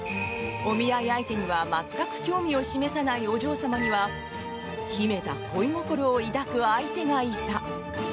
お見合い相手には全く興味を示さないお嬢様には秘めた恋心を抱く相手がいた。